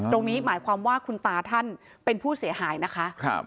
ตรงนี้หมายความว่าคุณตาท่านเป็นผู้เสียหายนะคะ